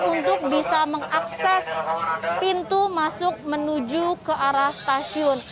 untuk bisa mengakses pintu masuk menuju ke arah stasiun